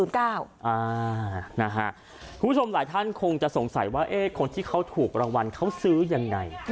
คุณผู้ชมหลายท่านคงจะสงสัยว่าคนที่เขาถูกรางวัลเขาซื้อยังไง